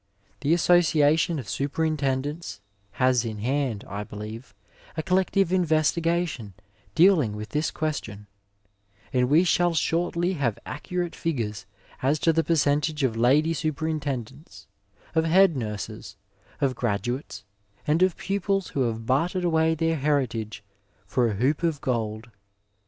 The Association of Superintendents has in hand, I believe, a CJoUective Inves tigation dealing with this question, and we shall shortly have accurate figures as to the percentage of lady super intendents, of head nurses, of graduates and of pupils who have bartered away their heritage for a hoop of gold."